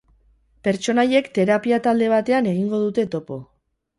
Pertsonaiek terapia talde batean egingo dute topo.